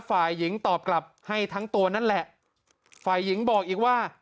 ฝ่ายหญิงตอบกลับให้ทั้งตัวนั่นแหละฝ่ายหญิงบอกอีกว่า